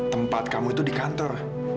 tempat kamu itu di kantor